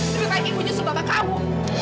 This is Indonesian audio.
lebih baik ibu nyusul bapak kamu